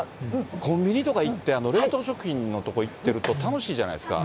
コンビニとか行って、冷凍食品の所行ってると、楽しいじゃないですか。